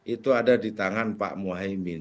itu ada di tangan pak muhaymin